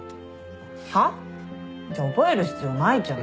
はっ？じゃあ覚える必要ないじゃん。